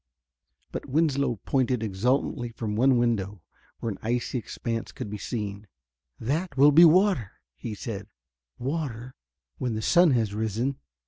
But Winslow pointed exultantly from one window, where an icy expanse could be seen. "That will be water," he said; "water, when the sun has risen."